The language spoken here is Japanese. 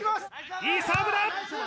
いいサーブだ